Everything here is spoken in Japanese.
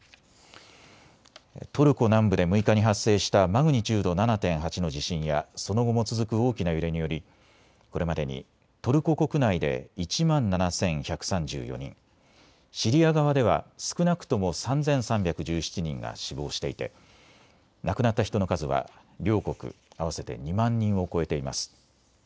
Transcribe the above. トルコ南部で６日に発生したマグニチュード７．８の地震やその後も続く大きな揺れによりこれまでにトルコ国内で１万７１３４人、シリア側では少なくとも３３１７人が死亡していて亡くなった人の数は両国合わせて２万人を超えています。